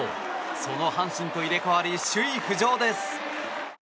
その阪神と入れ替わり首位浮上です。